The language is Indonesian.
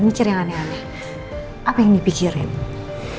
eh mungkin dia kayak videokan tapi kenapa jelek ama bitchreally